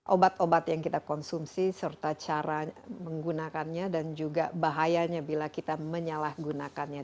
obat obat yang kita konsumsi serta cara menggunakannya dan juga bahayanya bila kita menyalahgunakannya